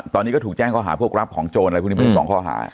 ตอนนี้ก็ถูกแจ้งข้อหาพวกรับของโจรอะไรพวกนี้เป็น๒ข้อหา